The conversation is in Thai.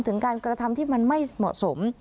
ถึงการกระทำที่มันไม่เหมาะสม